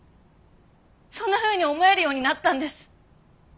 そんなふうに思えるようになったんです。